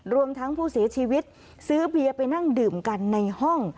รวมทั้งผู้เสียชีวิตซื้อเบียร์ไปนั่งดื่มกันในห้อง